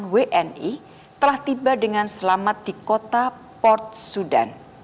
dua ratus delapan puluh delapan wni telah tiba dengan selamat di kota port sudan